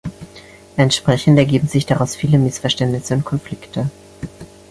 Entsprechend ergeben sich daraus viele Missverständnisse und Konflikte.